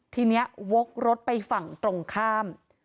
ทีนี้วกรถไปฝั่งตรงข้าม